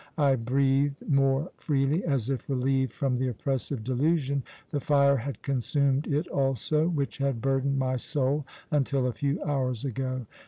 I breathed more freely, as if relieved from the oppressive delusion the fire had consumed it also which had burdened my soul until a few hours ago.